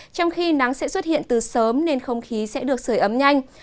trong khi nắng sẽ xuất hiện từ sớm nên không khí sẽ được sửa ấm nhanh